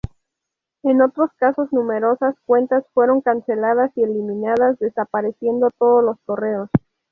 En otros casos numerosas cuentas fueron canceladas y eliminadas desapareciendo todos los correos.